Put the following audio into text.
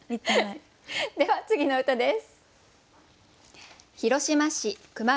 では次の歌です。